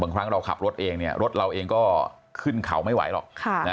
ครั้งเราขับรถเองรถเราเองก็ขึ้นเขาไม่ไหวหรอก